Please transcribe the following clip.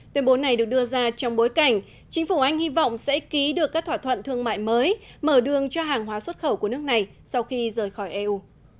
tuyên bố này được đưa ra trong bối cảnh chính phủ anh hy vọng sẽ ký được các thỏa thuận thương mại mới mở đường cho hàng hóa xuất khẩu của nước này sau khi rời khỏi eu